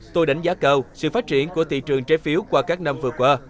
tôi đánh giá cao sự phát triển của thị trường trái phiếu qua các năm vừa qua